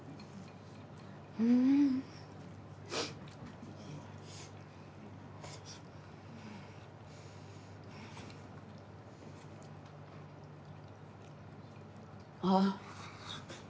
うん。あっ。